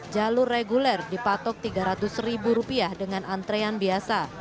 jalur reguler dipatok rp tiga ratus dengan antrean biasa